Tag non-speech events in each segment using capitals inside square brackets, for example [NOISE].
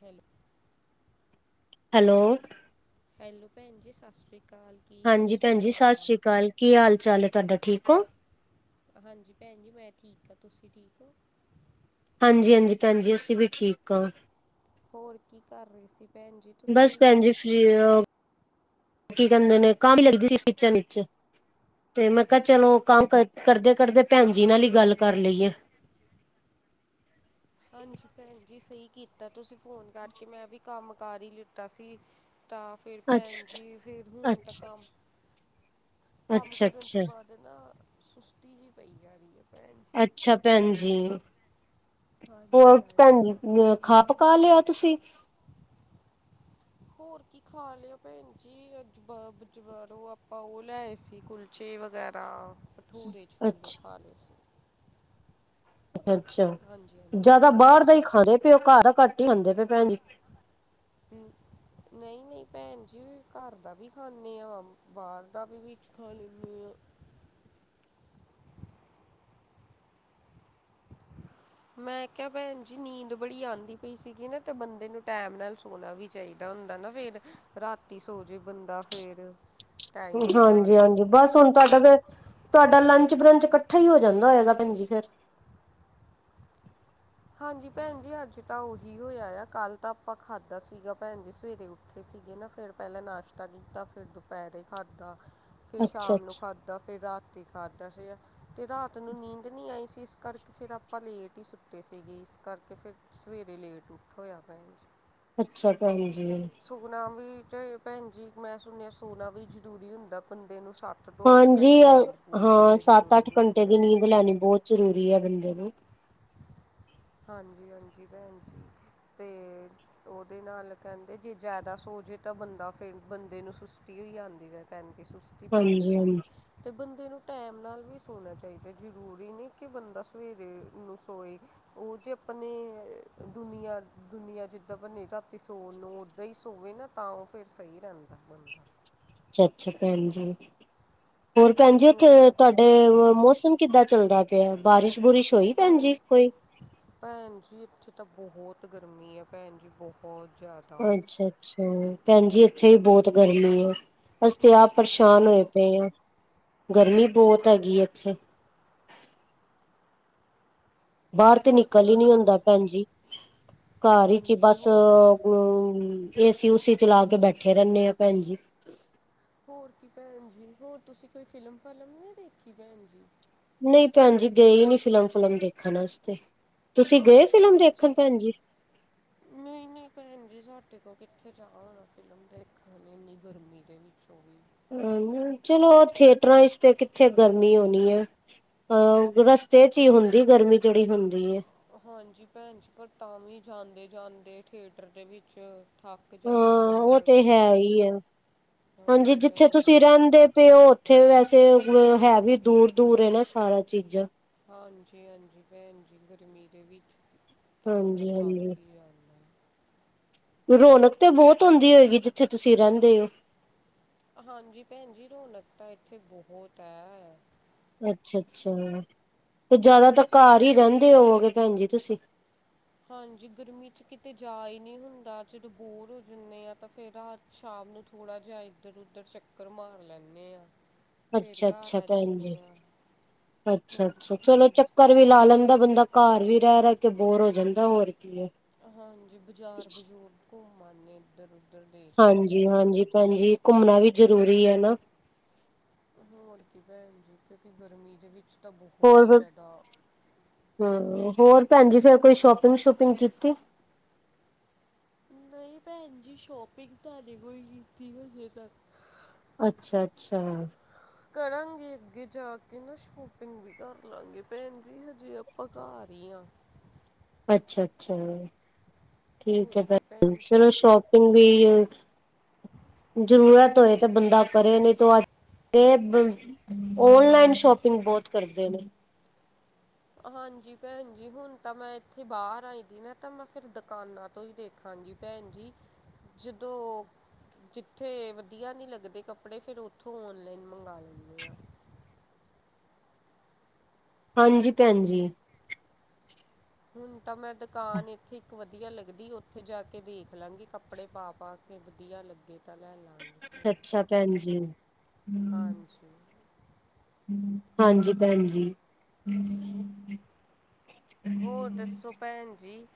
ਖਲ [UNINTELLIGIBLE] hello hello ਭੈਣ ਜੀ ਸਸ੍ਰੀ ਕਾਲ ਹਾਂਜੀ ਭੈਣਜੀ ਸਸ਼ੀ ਕਾਲ ਕੀ ਹਾਲ ਚਾਲ ਏ ਤੁਹਾਡਾ ਠੀਕ ਓ ਹਾਂਜੀ ਭੈਣ ਜੀ ਮੈਂ ਠੀਕ ਹ ਤੁਸੀਂ ਠੀਕ ਓ ਹਾਂਜੀ ਹਾਂਜੀ ਭੈਣ ਜੀ ਅਸੀਂ ਵੀ ਠੀਕ ਆਂ ਹੋਰ ਕੀ ਕਰ ਰਹੇ ਸੀ ਭੈਣਜੀ ਬਸ ਭੈਣ ਜੀ ਫਰੀ ਅ ਕੀ ਕਹਿੰਦੇ ਨੇ ਕਾਹ ਵੀ ਲੱਗਦੀ ਸੀ ਖਿੱਚਾ ਨਿਚ [UNINTELLIGIBLE] ਤੇ ਮੈਂ ਕਿਹਾ ਚਲੋ ਕੰਮ ਕਰ ਕਰਦੇ ਭੈਣ ਜੀ ਨਾਲ ਹੀ ਗੱਲ ਕਰ ਲਈਏ ਹਾਂਜੀ ਭੈਣ ਜੀ ਸਹੀ ਕੀਤਾ ਤੁਸੀਂ ਫੋਨ ਕਰਕੇ ਮੈਂ ਵੀ ਕੰਮ ਕਰ ਹੀ ਲਿਤਾ ਸੀ ਤਾਂ ਫਿਰ ਅੱਛਾ ਭੈਣ ਜੀ ਫਿਰ ਹੁਣ ਤਾਂ ਅੱਛਾ ਕੰਮ ਕੰਮ ਅੱਛਾ ਕਰਨ ਤੋਂ ਅੱਛਾ ਬਾਅਦ ਨਾ ਸੁਸਤੀ ਜਿਹੀ ਪਈ ਜਾ ਰਹੀ ਐ ਅੱਛਾ ਭੈਣ ਜੀ ਹਾਂਜੀ ਹੋਰ ਭੈਣ ਜੀ ਹਾਂਜੀ ਅ [UNINTELLIGIBLE] ਖਾ ਪਕਾ ਲਿਆ ਤੁਸੀਂ ਹੋਰ ਕੀ ਖਾ ਲਿਆ ਭੈਣ ਜੀ ਅਜ ਬਾ ਬਜਵਾਰੋ ਆਪਾਂ ਉਹ ਲੈ ਆਏ ਸੀ ਕੁਲ ਚੇ ਵਗੈਰਾ ਭਠੂਰੇ ਛੋਲੇ ਅੱਛਾ ਖਾਲੇ ਸ [UNINTELLIGIBLE] ਅੱਛਾ ਹਾਂਜੀ ਜਿਆਦਾ ਬਾਹਰ ਦਾ ਹੀ ਖਾਂਦੇ ਪਏਓ ਘਰ ਘੱਟ ਹੀ ਖਾਂਦੇ ਪਏ ਭੈਣ ਜੀ [INAUDIBLE] ਤੇ [UNINTELLIGIBLE] ਨਹੀਂ ਨਹੀਂ ਭੈਣ ਜੀ ਘਰ ਦਾ ਵੀ ਖਾਂਨੇ ਆਂ ਬਾਹਰ ਦਾ ਵੀ ਵਿੱਚ ਖਾ ਲੈਂਦੇ ਹਾਂ [UNINTELLIGIBLE] ਮੈਂ ਕਿਹਾ ਭੈਣ ਜੀ ਨੀਂਦ ਬੜੀ ਆਂਦੀ ਪਈ ਸੀਗੀ ਨਾ ਤੇ ਬੰਦੇ ਨੂੰ ਟੈਮ ਨਾਲ ਸੋਣਾ ਵੀ ਚਾਹੀਦਾ ਹੁੰਦਾ ਨਾ ਫੇਰ ਰਾਤੀ ਸੋਜੇ ਬੰਦਾ ਫੇਰ ਟਾਈਮ ਦੇ ਹਾਂਜੀ ਨਾਲ ਹਾਂਜੀ ਬਸ ਹੁਣ ਤੁਹਾਡਾ ਫਿਰ ਤੁਹਾਡਾ ਲੰਚ ਬਰੰਚ ਕੱਠਾ ਹੀ ਹੋ ਜਾਂਦਾ ਹੋਏਗਾ ਭੈਣਜੀ ਫੇਰ ਹਾਂਜੀ ਭੈਣ ਜੀ ਅੱਜ ਤਾਂ ਉਹੀ ਹੋਇਆ ਆ ਕੱਲ੍ਹ ਤਾਂ ਆਪਾਂ ਖਾਧਾ ਸੀਗਾ ਭੈਣ ਜੀ ਸਵੇਰੇ ਉੱ ਉਠੇ ਸੀਗੇ ਨਾ ਫਿਰ ਪਹਿਲਾਂ ਨਾਸ਼ਤਾ ਕੀਤਾ ਫਿਰ ਦੁਪਹਿਰੇ ਖਾਧਾ ਫਿਰ ਅੱਛਾ ਸ਼ਾਮ ਨੂੰ ਅੱਛਾ ਖਾਧਾ ਫਿਰ ਰਾਤੀ ਖਾਧਾ ਸੀ ਆ ਤੇ ਰਾਤ ਨੂੰ ਨੀਂਦ ਨਹੀਂ ਆਈ ਸ ਅਇਸ ਕਰਕੇ ਫਿਰ ਆਪਾਂ ਲੇਟ ਹੀ ਸੁੱਟੇ ਸੀਗੇ ਇਸ ਕਰਕੇ ਫਿਰ ਸਵੇਰੇ ਲੇਟ ਉੱਠ ਹੋਇਆ ਭੈ ਅੱਛਾ ਭੈਨਜੀ ਸੋਨਾ ਵੀ ਚਾਹੇ ਭੈਣ ਜੀ ਮੈਂ ਸੁਣਿਆ ਸੋਨਾ ਵੀ ਜ਼ਰੂਰੀ ਹੁੰਦਾ ਬੰਦੇ ਨੂੰ ਸਾ ਹਾਂਜੀ ਅ ਹਾਂ ਸੱਤ ਜ਼ਰੂਰੀ ਅੱਠ ਹੁੰਦੀ ਘੰਟੇ ਦੀ ਆ ਨੀਂਦ ਲੈਣੀ ਬਹੁਤ ਜ਼ਰੂਰੀ ਹੈ ਬੰਦੇ ਨੂੰ ਹਾਂਜੀ ਹਾਂਜੀ ਭੈਣ ਜੀ ਤੇ ਉਹਦੇ ਨਾਲ ਕਹਿੰਦੇ ਜੇ ਜ਼ਿਆਦਾ ਸੋ ਜੇ ਤਾਂ ਬੰਦਾ ਫੇ ਬੰਦੇ ਨੂੰ ਸੁਸਤੀ ਹੋਈ ਜਾਂਂਦੀ ਹੈ ਕਹਿਣ ਸੁਸ ਪੈਂਦੀ ਹਾਂਜੀ ਹਾਂਜੀ ਰਹਿੰਦੀ ਤੇ ਬੰਦੇ ਨੂੰ ਟੈਮ ਨਾਲ ਵੀ ਸੋਣਾ ਚਾਹੀਦਾ ਜ਼ਰੂਰੀ ਨਹੀਂ ਕਿ ਬੰਦਾ ਸਵੇਰੇ ਨੂੰ ਸੋਏ ਉਹ ਜੇ ਆਪਣੇ ਦੁਨੀਆਂ ਦੁਨੀਆਂ ਜਿੱਦਾਂ ਬਨੇ ਧਰਤੀ ਸੋਨ ਨੂੰ ਰਈਸ ਹੋਵੇ ਨਾ ਤਾਂ ਉਹ ਫਿਰ ਸਹੀ ਰਹਿੰ ਤ [UNINTELLIGIBLE] ਅੱਛਾ ਅੱਛਾ [UNINTELLIGIBLE] ਭੈਣ ਜੀ। ਹੋਰ ਭੈਣ ਜੀ ਉੱਥੇ ਹੋਰ ਕੀ ਭੈਣ ਤੁਹਾਡੇ ਜੀ ਮ ਮੌਸਮ ਕਿੱਦਾਂ ਚੱਲਦਾ ਪਿਆ ਬਾਰਿਸ਼ ਬੁਰਿਸ਼ ਹੋਈ ਭੈਣ ਜੀ ਕੋਈ ਭੈਣ ਜੀ ਇੱਥੇ ਤਾਂ ਬਹੁਤ ਗਰਮੀ ਹੈ ਭੈਣ ਜੀ ਬਹੁ ਬਹੁਤ ਜਾ ਅੱਛ ਅੱਛਾ ਭੈਣ ਜੀ ਇੱਥੇ ਵੀ ਬਹੁਤ ਗਰਮੀ ਐ ਅਸ ਤੇ ਆਪ ਹੋ- ਪਰਸ਼ਾਨ ਹੋਏ ਪਏ ਆਂ ਗਰਮੀ ਬਹੁਤ ਹੈਗੀ ਆ ਇੱਥੇ ਬਾਹਰ ਤੇ ਹੋਰ ਨਿਕਲ ਭੈਣ ਹੀ ਨੀ ਜੀ ਤੁਸੀਂ ਹੁੰਦਾ ਭੈਣਜੀ ਘਰ ਈ ਚ ਹਾਂਜੀ ਬਸ ਅ ਹੋਰ ਹਮ ਏਸੀ ਉਸੀ ਚਲਾ ਕੇ ਬੈਠੇ ਰਹਿੰਨੇ ਆ ਭੈਣ ਜੀ ਹੋਰ ਕੀ ਭੈਣ ਜੀ ਹੋਰ ਤੁਸੀਂ ਕੋਈ ਫਿਲਮ ਫਲਮ ਨਹੀਂ ਦੇਖੀ ਭੈਣ ਜੀ ਨਹੀਂ ਭੈਣ ਜੀ ਗਏ ਈ ਨੀ ਫਿਲਮ ਫੁਲਮ ਦੇਖਣ ਆਸਤੇ ਤੁਸੀਂ ਗਏ ਫਿਲਮ ਦੇਖਣ ਅੱਛਾ ਭੈਣ ਜੀ ਨਹੀਂ ਨਹ ਭੈਣ ਜੀ ਸਾਡੇ ਕੋ ਕਿੱਥੇ ਜਾ ਹੋਣਾ ਫਿਲਮ ਦੇਖਣ ਲਈ ਇੰਨੀ ਗਰਮੀ ਦੇ ਵਿੱਚ ਓ ਵੀ ਹਮ [UNINTELLIGIBLE] ਚਲੋ ਥੀਏਟਰਾਂ ਚ ਤੇ ਕਿੱਥੇ ਗਰਮੀ ਹੋਣੀ ਐ ਹਾਂ ਓ ਰਸਤੇ ਚ ਹੀ ਹੁੰਦੀ ਗਰਮੀ ਜਿਹੜੀ ਹੁੰਦੀ ਐ ਹਾਂਜੀ ਭੈਣ ਜ ਪਰ ਤਾਂ ਵੀ ਜਾਂਦੇ ਜਾਂਦੇ ਥੀਏਟਰ ਦੇ ਵਿੱਚ ਥੱਕ ਹਾਂ ਜਾਂਦਾ ਉਹ ਬੰਦਾ ਤੇ ਹੈ ਹੀ ਹੈ ਹਾਂਜੀ ਜਿੱਥੇ ਭੈਣ ਤੁਸੀਂ ਜੀ ਰਹਿੰਦੇ ਪੇ ਓ ਥੇ ਵੈਸੇ ਹੈ ਵੀ ਦੂਰ ਦੂਰ ਨਾ ਸਾਰਾ ਚੀਜ਼ਾਂ ਹਾਂਜੀ ਹਾਂਜੀ ਭੈਣ ਜੀ ਗਰਮੀ ਦੇ ਵਿੱਚ ਤਾਂ ਬੰਦਾ ਹਾਂਜੀ ਹਾਂਜੀ ਥਪ ਹੀ ਜਾ ਰੌਨਕ ਤੇ ਬਹੁਤ ਹੁੰਂਦੀ ਹੋਏਗੀ ਜਿੱਥੇ ਤੁਸੀਂ ਰਹਿੰਦੇ ਓ ਹਾਂਜੀ ਭੈਨ ਜੀ ਰੌਣਕ ਤਾਂ ਇੱਥੇ ਬਹੁਤ ਐ ਅੱਛਾ ਅੱਛਾ ਤੇ ਜਿਆਦਾ ਤਾਂ ਘਰ ਈ ਰਹਿੰਦੇ ਹੋਗੇ ਭੈਣ ਜੀ ਤੁਸੀਂ ਹਾਂਜੀ ਗਰਮੀ ਚ ਕਿਤੇ ਜਾ ਹੀ ਨਹੀਂ ਹੁੰਦਾ ਜਦੋਂ ਬੋਰ ਹੋ ਜਾਂਦੇ ਹਾਂ ਤਾਂ ਫਿਰ ਰਾ ਸ਼ਾਮ ਨੂੰ ਥੋੜ੍ਹਾ ਜਿਹਾ ਇੱਧਰ ਉਧਰ ਚੱਕਰ ਮਾਰ ਲੈਂਨੇ ਆਂ ਅੱਛਾ ਅੱਛਾ ਭੈਣ ਜੀ ਹਾਂ ਅੱਛ ਹੋਰ ਅੱਛਾ ਕੀ ਚਲੋ ਭੈਣ ਜੀ ਚੱਕਰ ਵੀ ਲਾ ਲੈਂਦਾ ਬੰਦਾ ਘਰ ਵੀ ਰਹਿ ਰਹਿ ਕੇ ਬੋਰ ਹੋ ਜਾਂਦਾ ਹੋਰ ਕੀ ਐ ਹਾਂਜੀ ਬਾਜ਼ਾਰ ਬਜ਼ੂਰ ਘੁੰਮ ਆਨਸ ਇੱਧਰ ਉਧਰ ਦੇਖ ਪਾਉਂਦੇ ਆ ਹਾਂਜੀ ਘੁੰਮਣਾ ਵੀ ਜਰੂਰੀ ਐ ਨਾ ਹੋਰ ਕੀ ਭੈਣ ਜੀ ਕਿਉਂਕਿ ਗਰਮੀ ਦੇ ਵਿੱਚ ਤਾਂ ਬਹੁਤ ਹੀ ਜ਼ਿਆਦਾ ਹਮ ਹੋਰ ਭੈਣਜੀ ਫੇਰ ਕੋਈ ਸ਼ੋਪਿੰਗ ਸ਼ੋਪਿੰਗ ਕੀਤੀ ਨਹੀਂ ਭੈਨ ਜੀ ਸ਼ੋਪਿੰਗ ਤੁਡੀੇ ਕੋਈ ਕੀਤੀ ਹਜੇ ਤੱਕ ਅੱਛਾ ਅੱਛਾ ਕਰਾਂਗੇ ਅੱਗੇ ਜਾ ਕੇ ਨਾ ਸ਼ੋਪਿੰਗ ਵੀ ਕਰ ਲਵਾਂਗੇ ਭੈਨ ਜੀ ਹਜੇ ਆਪਾਂ ਘਰ ਈ ਆਂ ਅੱਛਾ ਅੱਛਾ ਠੀਕ ਹੈ ਫ ਹਾਂਜੀ ਭੈਣ [UNINTELLIGIBLE] ਜੀ ਚਲੋ ਸ਼ੋਪਿੰਗ ਵੀ ਜ਼ਰੂਰਤ ਹੋਏ ਤੇ ਬੰਦਾ ਕਰੇ ਨਹੀਂ ਤੂੰ ਅੱਜ [UNINTELLIGIBLE] ਓਨਲਾਈਨ ਸ਼ੋਪਿੰਗ ਬਹੁਤ ਕਰਦੇ ਨੇ ਹਾਂਜੀ ਭੈਣ ਜੀ ਹੁਣ ਤਾਂ ਮੈਂ ਇੱਥੇ ਬਾਹਰ ਆਈਦੀ ਨਾ ਤਾਂ ਮੈਂ ਫਿਰ ਦੁਕਾਨਾਂ ਤੋਂ ਹੀ ਦੇ ਹਾਂਜੀ ਭੈਣ ਜੀ ਜਦੋਂ ਜਿੱਥੇ ਵਧੀਆ ਨੀ ਲੱਗਦੇ ਕੱਪੜੇ ਫੇਰ ਉੱਥੋਂ ਓਨਲਾਈਨ ਮੰਗਵਾ ਲੈਂਦੇ ਆ। ਹਾਂਜੀ ਭੈਣ ਜੀ। ਹੁਣ ਤਾਂ ਮੈਂ ਦੁਕਾਨ ਇੱਥੇ ਇੱਕ ਵਧੀਆ ਲੱਗੀ। ਲਗਦੀ ਉੱਥੇ ਜਾ ਕੇ ਦੇਖ ਲਾਂਗੇ ਕੱਪੜੇ ਪਾ -ਪਾ ਕੇ ਵਧੀਆ ਲੱਗੇ ਤਾਂ ਲੈ ਲਾਗੇ। ਅੱਛਾ ਭੈਣ ਜੀ, ਹੂੰ ਹਾਂਜੀ ਹਾਂਜੀ ਭੈਣ ਜੀ। ਹੋਰ ਦੱਸੋ ਭੈਣ ਜੀ?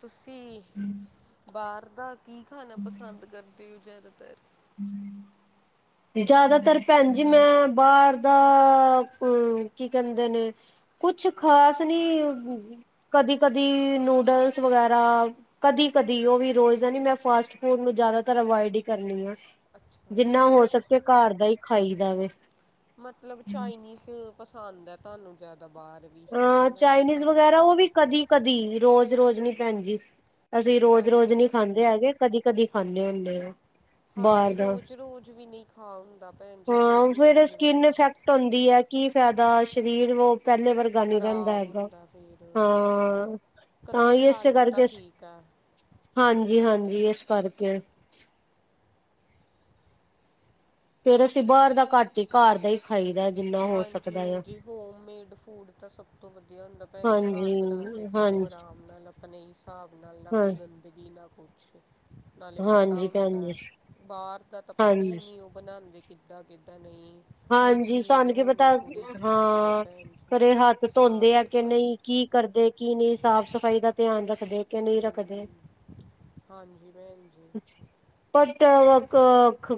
ਤੁਸੀਂ, ਬਾਹਰ ਦਾ ਕੀ ਖਾਣਾ ਪਸੰਦ ਕਰਦੇ ਹੋ ਜ਼ਿਆਦਾਤਰ? [INAUDIBLE] ਜ਼ਿਆਦਾਤਰ ਭੈਣ ਜੀ ਮੈਂ ਬਾਹਰ ਦਾ, ਅ ਕੀ ਕਹਿੰਦੇ ਨੇ ਕੁਛ ਖ਼ਾਸ ਨੀ ਕਦੀ- ਕਦੀ ਨੂਡਲਸ ਵਗੈਰਾ, ਕਦੀ -ਕਦੀ ਉਹ ਵੀ ਰੋਜ਼ ਦਾ ਨੀ ਮੈਂ ਫਾਸਟ ਫੂਡ ਨੂੰ ਜ਼ਿਆਦਾਤਰ ਅਵਾਇਡ ਈ ਕਰਨੀ ਆ। ਅੱਛਾ-ਅੱਛਾ ਜਿੰਨਾ ਹੋ ਭੈਣ ਸਕੇ ਜੀ, ਘਰ ਦਾ ਹੀ ਖਾਈ ਦਾ ਵੇ ਮਤਲਬ ਚਾਈਨੀਸ ਪਸੰਦ ਹੈ ਤੁਹਾਨੂੰ ਜ਼ਿਆਦਾ ਬਾਹਰ। ਵੀ ਅ ਉਹਨਾਂ 'ਚ ਚਾਈਨੀਜ਼ ਖਾਣਾ ਵਗੈਰਾ ਉਹ ਵੀ ਕਦੀ ਕਦੀ ਰੋਜ਼ -ਰੋਜ਼ ਨੀ ਭੈਣ ਜੀ, ਅਸੀਂ ਰੋਜ਼- ਰੋਜ਼ ਹਾਂਜੀ ਨੀ ਖਾਂਦੇ ਹੈਗੇ। ਕਦੀ -ਕਦੀ ਖਾਂਨੇ ਹੁੰਨੇ ਆ। ਹਾਂਜੀ ਬਾਹਰ ਦਾ ਰੋਜ਼- ਰੋਜ਼ ਵੀ ਨੀ ਖਾ ਹੁੰਦਾ ਭੈਣ ਜੀ ਹਾਂ ਰੋਜ਼ ਫੇਰ ਰੋਜ਼ ਵੀ ਸਕਿਨ ਬਾਹਰ ਇਫੈਕਟ ਹੋਦੀ ਆ ਕੀ ਫਾਇਦਾ ਸਰੀਰ ਵ- ਪਹਿਲੇ ਵਾਰਗ ਨੀ ਰਹਿੰਦਾ ਖ਼ਰਾਬ ਹੈਗਾ, ਹੁੰਦਾ ਫਿਰ ਹਾਂ। ਤਾਂ ਕਦੀ ਈ ਖਾ ਇਸੇ ਲਓ ਤਾਂ ਕਰਕੇ, ਠੀਕ ਹੈ ਹਾਂਜੀ- ਹਾਂਜੀ ਇਸ ਕਰਕੇ ਫੇਰ ਅਸੀਂ ਬਾਹਰ ਦਾ ਘੱਟ ਹੀ ਘਰ ਦਾ ਈ ਹਾਂਜੀ -ਹਾਂਜੀ ਹੋਮ ਮੇਡ ਫੂਡ ਤਾਂ ਸਭ ਤੋਂ ਵਧੀਆ ਹੁੰਦਾ ਭੈਣ ਜੀ। ਹਾਂਜੀ ਘਰ ਬਣਾ ਕੇ ਖਾਓ ਹਾਂਜੀ ਆਰਾਮ ਨਾਲ ਆਪਣੇ ਹਿਸਾਬ ਨਾਲ ਨਾ ਹਾਂ ਕੋਈ ਗੰਦਗੀ ਨਾ ਕੁਛ। ਨਾਲੇ ਪਤਾ ਹਾਂਜੀ ਭੈਣ ਹੁੰਦਾ, ਜੀ ਬਾਹਰ ਦਾ ਤਾਂ ਪਤਾ ਈ ਹਾਂਜੀ ਨੀ ਓ ਬਣਾਦੇ ਕਿੱਦਾਂ, ਕਿੱਦਾਂ ਨੀ। ਹਾਂਜੀ ਸਾਨੂੰ ਕੀ ਪਤਾ ਜ਼ਰੂਰੀ ਆ ਹਾਂ, ਭੈਣ ਘਰੇ ਹੱਥ ਜੀ ਸਾਫ ਧੋਂਦੇ ਆ ਕਿ ਸਫਾਈ ਨੀ ਕੀ ਕਰਦੇ ਕੀ ਨੇ ਸਾਫ਼ ਸਫ਼ਾਈ ਦਾ ਧਿਆਨ ਰੱਖਦੇ ਕਿ ਨਹੀਂ ਰੱਖਦੇ? ਹਮ ਹਾਂਜੀ ਭੈਣ ਜੀ। ਬਟ ਉਹਦੇ ਕੋਲ ਖ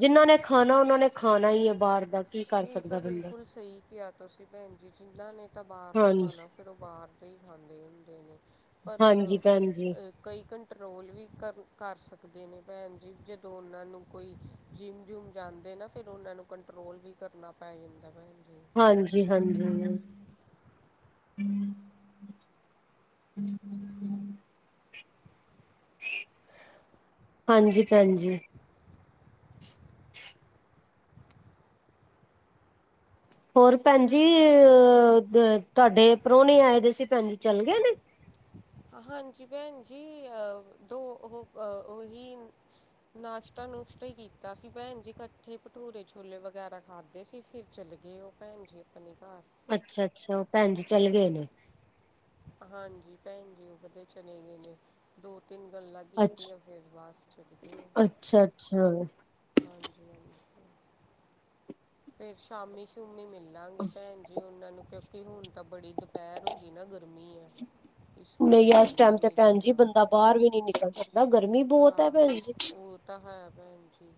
ਜਿੰਨਾਂ ਨੇ ਖਾਣਾ ਉਹਨਾਂ ਨੇ ਖਾਣਾ ਹੀ ਹੈ ਬਾਹਰ ਦਾ। ਕੀ ਕਰ ਇਹ ਤਾਂ ਸਕਦਾ ਬੰਦਾ ਬਿਲਕੁਲ ਸਹੀ ਕਿਹਾ ਤੁਸੀਂ ਭੈਣ ਜੀ, ਜਿਨ੍ਹਾਂ ਨੇ ਤਾਂ ਬਾਹਰ ਦਾ ਹਾਂਜੀ ਖਾਣਾ ਏ ਤਾ ਬਾਹਰ ਦੇ ਹੀ ਖਾਂਦੇ ਰਹਿੰਦੇ ਨੇ, ਪਰ ਹਾਂਜੀ ਭੈਣ ਜੀ ਏ ਕਈ ਕੰਟਰੋਲ ਵੀ ਕਰ -ਕਰ ਸਕਦੇ ਨੇ ਭੈਣ ਜੀ ਜਦੋਂ ਉਨਾਂ ਨੂੰ ਕੋਈ ਜਿੰਮ -ਜੁਮ ਜਾਂਦੇ ਨਾ ਫਿਰ ਉਹਨਾਂ ਨੂੰ ਕੰਟਰੋਲ ਵੀ ਕਰਨਾ ਪੈ ਜਾਂਦਾ ਭੈਣ ਜੀ। ਹਾਂਜੀ ਹਾਂਜੀ। ਹਾਂਜੀ ਭੈਣ ਜੀ। ਹੋਰ ਭੈਣ ਜੀ ਓ- ਦ ਤੁਹਾਡੇ ਪ੍ਰੋਹਣੇ ਆਏ ਪੇ ਸੀ ਭੈਣ ਜੀ ਚੱਲ ਗਏ ਨੇ? ਹਾਂਜੀ ਭੈਣ ਜੀ ਅਹ ਦੋ ਉਹ -ਉਹੀ ਨਾਸ਼ਤਾ- ਨੁਸ਼ਤਾ ਈ ਕੀਤਾ ਸੀ ਭੈਣ ਜੀ ਇਕੱਠੇ ਭਟੂਰੇ ਛੋਲੇ ਵਗੈਰਾ ਖਾ ਧੇ ਸੀ ਫਿਰ ਚਲੇ ਗਏ ਉਹ ਭੈਣ ਜੀ ਆਪਣੇ ਘਾਰ। ਅੱਛਾ ਅੱਛਾ ਉਹ ਭੈਣ ਜੀ ਚਲ ਗਏ ਨੇ। ਹਾਂਜੀ ਭੈਣ ਜੀ ਉਕਦੋ ਦੇ ਚਲੇ ਗਏ ਨੇ। ਦੋ -ਤਿੰਨ ਗੱਲਾਂ ਅੱਛਾ ਕਿੱਤਿਆਂ ਫਿਰ ਬਸ ਚਲਗੇ ਓ। ਅੱਛਾ ਅੱਛਾ ਹਾਂਜੀ-ਹਾਂਜੀ ਫਿਰ ਸ਼ਾਮੀ ਸ਼ੂਮੀ ਮਿਲਾਂਗੇ ਭੈਣ ਜੀ ਉਹਨਾਂ ਨੂੰ ਕਿਉਂਕਿ ਹੁਣ ਤਾਂ ਬੜੀ ਗ ਪੈਰ ਹੋ ਗਈ ਨਾ ਗਰਮੀ ਆ। ਨਈ ਇਸ ਟੈਮ ਤੇ ਭੈਣ ਜੀ ਬੰਦਾ ਬਾਰ ਵੀ ਨੀ ਨਿਕਲ ਸਕਦਾ ਗਰਮੀ ਬੋਤ ਐ ਭੈਣ ਜੀ। ਤਆਂ ਭੈਣ ਜੀ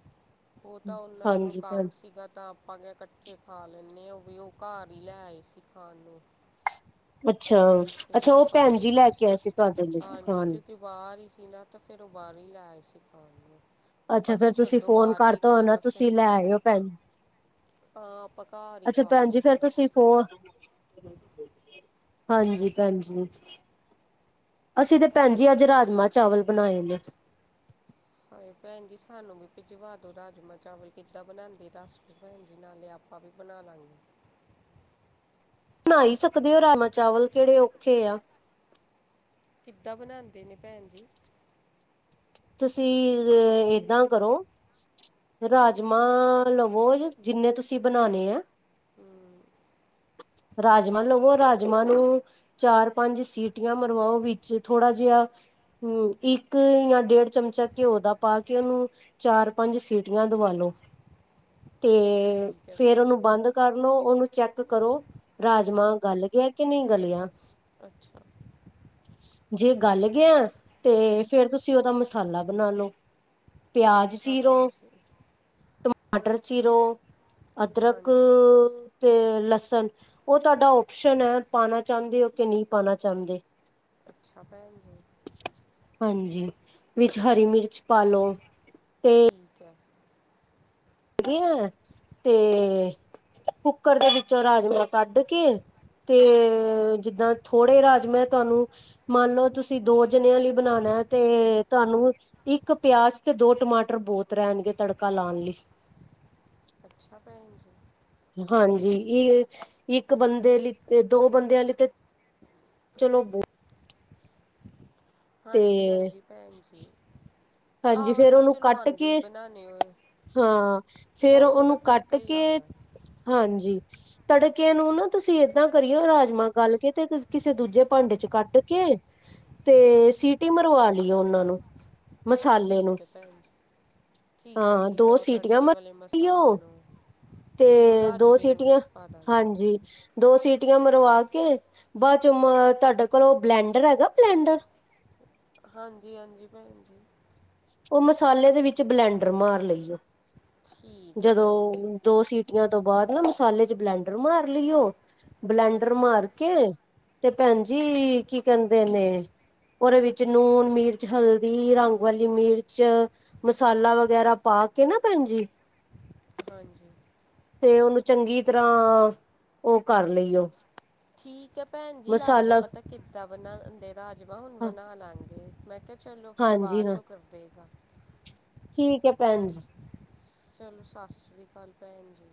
ਓ ਤਾਂ ਉਹਨਾਂ ਨੂੰ ਹਾਂਜੀ ਕੰਮ ਭੈਣ ਸੀਗਾ ਤਾਂ ਆਪਾਂਗੇ ਕੱਠੇ ਖਾ ਲੈਂਦੇ ਆ ਵੀ ਓ ਘਾਰ ਈ ਲੈ ਆਏ ਸੀ ਖਾਣ ਨੂੰ ਫਿਰ ਅੱਛਾ-ਅੱਛਾ ਓ ਆਪਾਂ ਭੈਣ ਇਕੱਠੇ ਜੀ ਲੈ ਕੇ ਆਏ ਸੀ ਫਾਦਰ ਦੇ ਸਥਾਨ ਬਾਰ ਹੀ ਸੀ ਨਾ ਤੇ ਫਿਰ ਉਹ ਬਾਰ ਈ ਲੈ ਆਏ ਸੀ ਪਾਣੀ ਨੂੰ ਆਪਾਂ ਅੱਛਾ ਕਿ ਫੇਰ ਤੁਸੀਂ ਛੱਡੋ ਫੋਨ ਬਾਰ ਕੇ ਕਰਤਾ ਹੋਣਾ ਖਾਣਾ ਫਿਰ ਤੁਸੀਂ ਲੈ ਆਇਓ ਭੈਣ ਹਾਂ ਆਪਾਂ ਘਰ ਹੀ ਖਾ ਲਿਆ ਫਿਰ ਹੋਰ ਹਾਂਜੀ ਭੈਣਜੀ। ਅਸੀਂ ਤੇ ਭੈਣ ਜੀ ਅੱਜ ਰਾਜਮਾਂ ਚਾਵਲ ਬਣਾਏ ਨੇ। ਹਾਏ ਭੈਣ ਜੀ ਸਾਨੂੰ ਵੀ ਭਿਜਵਾ ਦੋ ਰਾਜਮਾਂ ਚਾਵਲ ਕਿੱਦਾਂ ਬਣਾਂਦੇ ਦੱਸ ਦਿਓ ਭੈਣ ਜੀ ਨਾਲੇ ਆਪ ਆਪਾਂ ਵੀ ਬਣਾ ਲਾਂਗੇ। ਬਣਾ ਈ ਸਕਦੇ ਹੋ ਰਾਜਮਾ ਚਾਵਲ ਕੇੜੇ ਔਖੇ ਆ। ਕਿੱਦਾਂ ਬਣਾਂਦੇ ਨੇ ਭੈਣ ਜੀ। ਤੁਸੀਂ ਏਦਾਂ ਕਰੋ। ਰਾਜਮਾਂ ਲਵੋ ਜਿੰਨੇ ਤੁਸੀਂ ਬਣਾਣੇ ਆ। ਹੂੰ ਰਾਜਮਾਂ ਲਵੋ ਰਾਜਮਾਂ ਨੂੰ ਚਾਰ ਪੰਜ ਸੀਟੀਆਂ ਮਰਵਾਓ ਵਿੱਚ ਥੋੜ੍ਹਾ ਜਿਹਾ ਹੂੰ ਇੱਕ ਜਾਂ ਡੇਢ ਚਮਚਾ ਘਿਓ ਦਾ ਪਾ ਕੇ ਉਹਨੂੰ ਚਾਰ ਪੰਜ ਸੀਟੀਆਂ ਦਵਾ ਲੋ। ਤੇ ਠੀਕ ਹੈ। ਫਿਰ ਉਹਨੂੰ ਬੰਦ ਕਰ ਲੋ ਓਨੂੰ ਚੈੱਕ ਕਰੋ। ਰਾਜਮਾਂ ਗਲ ਗਿਆ ਕਿ ਨਈ ਗਲਿਆ। ਅੱਛਾ ਜੇ ਗੱਲ ਗਿਆ ਤੇ ਫਿਰ ਤੁਸੀਂ ਉਹਦਾ ਮਸਾਲਾ ਬਣਾ ਲਓ। ਪਿਆਜ ਅੱਛਾ ਚੀਰੋ ਭੈਣ ਜੀ ਟਮਾਟਰ ਚੀਰੋ ਅਦਰਕ ਹਾਂਜੀ ਤੇ ਲਸਣ ਓ ਤੁਹਾਡਾ ਓਪਸ਼ਨ ਹੈ ਪਾਣਾ ਚਾਹੁੰਦੇ ਹੋ ਕਿ ਨਈ ਪਾਣਾ ਚਾਹੁੰਦੇ। ਅੱਛਾ ਭੈਣ ਜੀ। ਹਾਂਜੀ ਵਿੱਚ ਹਰੀ ਮਿਰਚ ਪਾ ਲੋ ਤੇ ਠੀਕ ਹੈ। ਧੀਆ ਤੇ ਕੁੱਕਰ ਦੇ ਵਿੱਚੋਂ ਰਾਜਮਾਂ ਕੱਢ ਕੇ ਤੇ ਜਿੱਦਾਂ ਥੋੜ੍ਹੇ ਰਾਜਮਾ ਤੁਹਾਨੂੰ ਮੰਨ ਲਓ ਤੁਸੀਂ ਦੋ ਜਣਿਆਂ ਲਈ ਬਣਾਣਾ ਤੇ ਤੁਹਾਨੂੰ ਇੱਕ ਪਿਆਜ ਤੇ ਦੋ ਟਮਾਟਰ ਬੋਤ ਰੈਂਣਗੇ ਤੜਕਾ ਲਾਣ ਲਈ ਅੱਛਾ ਭੈਣ ਜੀ। ਹਾਂਜੀ ਇਹ ਇੱਕ ਬੰਦੇ ਲਈ ਤੇ ਦੋ ਬੰਦਿਆਂ ਲਈ ਤੇ ਚਲੋ ਬੋ ਤੇ ਹਾਂਜੀ-ਹਾਂਜੀ ਭੈਣ ਜੀ ਹਾਂਜੀ ਚਾਵਲ ਫੇਰ ਤਾਂ ਉਹਨੂੰ ਚਲੋ ਕੱਟ ਆਂਦੇ ਹੀ ਕੇ ਬਣਾਣੇ ਹੋਏ। ਹਾਂ ਫਿਰ ਬਸ ਉਹਦਾ ਉਹਨੂੰ ਕੱਟ ਤੜਕਾ ਹੀ ਕੇ ਲਾਣਾ ਹਾਂਜੀ। ਤੜਕੇ ਨੂੰ ਨਾ ਤੁਸੀਂ ਏਦਾਂ ਕਰੀਓ ਰਾਜਮਾਂ ਗਲ ਕੇ ਤੇ ਕਿਸੇ ਦੂਜੇ ਭਾਂਡੇ 'ਚ ਕੱਢ ਕੇ ਤੇ ਸੀਟੀ ਮਰਵਾ ਲਈਓ ਉਹਨਾਂ ਨੂੰ ਮਸਾਲੇ ਨੂੰ ਠੀਕ ਹੈ ਭੈਣ ਜੀ ਹਾਂ ਠੀਕ ਹੈ -ਹਾਂ ਠੀਕ ਹੈ ਦੋ ਉਹ ਸੀਟੀਆਂ ਤੜਕੇ ਮ ਵਾਲੇ ਅਅ ਮਸਾਲੇ ਲਿਯੋ। ਨੂੰ ਫਿਰ ਉਹ ਤੇ ਦੋ ਰਾਜਮੇ ਨੂੰ ਸੀਟੀਆਂ ਵਿੱਚ ਪਾ ਦਾਂਗੇ ਹਾਂਜੀ। ਦੋ ਸੀਟੀਆਂ ਮਰਵਾ ਕੇ ਬਾਅਦ ਚੋਂ ਤਆਡੇ ਕੋਲ ਔ ਬਲੈਂਡਰ ਹੈਗਾ ਬਲੈਂਡਰ ਹਾਂਜੀ- ਹਾਂਜੀ ਭੈਣ ਜੀ। ਔ ਮਸਾਲੇ ਦੇ ਵਿੱਚ ਬਲੈਂਡਰ ਮਾਰ ਲਈਔ। ਠੀਕ ਹੈ ਭੈਣ ਜੀ ਜਦੋਂ ਦੋ ਸੀਟੀਆਂ ਤੋਂ ਬਾਅਦ ਨਾ ਮਸਾਲੇ ਚ ਬਲੈਂਡਰ ਮਾਰ ਲਈਔ ਬਲੈਂਡਰ ਹਾਂਜੀ ਮਾਰ ਕੇ ਤੇ ਭੈਣ ਜੀ ਕੀ ਕਹਿੰਦੇ ਨੇ ਔਦੇ ਵਿੱਚ ਨੂਨ, ਮਿਰਚ, ਹਲਦੀ, ਰੰਗ ਵਾਲੀ ਮਿਰਚ ਮਸਾਲਾ ਵਗੈਰਾ ਪਾ ਕੇ ਨਾ ਭੈਣ ਜੀ। ਹਾਂਜੀ। ਤੇ ਔਨੂੰ ਚੰਗੀ ਤਰ੍ਹਾਂ ਔਹ ਕਰ ਲਈਔ ਠੀਕ ਐ ਭੈਣ ਜੀ ਲੱਗ ਗਿਆ ਪਤਾ ਕਿੱਦਾਂ ਬਣਾ ਦੇ ਰਾਜਮਾਂ ਹੁਣ ਬਣਾ ਲਾਂਗੇ ਮੈਂ ਕਿਹਾ ਚਲੋ ਫਿਰ ਹਾਂਜੀ ਹਾਂ ਬਾਅਚੋ ਕਰ ਦੇ ਗਲ ਠੀਕ ਏ ਭੈਣ ਜੀ। ਸਲੋ ਸਾਸਸ੍ਰੀ ਕਾਲ ਭੈਣ ਜੀ।